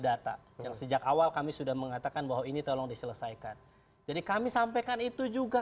data yang sejak awal kami sudah mengatakan bahwa ini tolong diselesaikan jadi kami sampaikan itu juga